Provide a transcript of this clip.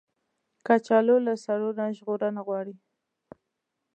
کچالو له سړو نه ژغورنه غواړي